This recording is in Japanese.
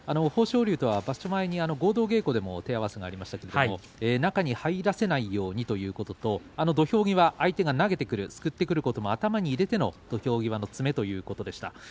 豊昇龍とは場所前に合同稽古でも手合わせがありましたけども中に入らせないようにということと土俵際、相手が投げてくるすくってくることも頭に入れての土俵際の詰めということでした。